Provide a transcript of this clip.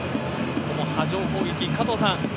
この波状攻撃、加藤さん